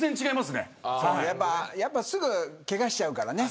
やっぱりすぐけがしちゃうからね。